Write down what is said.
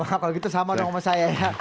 wah kalau gitu sama dong sama saya ya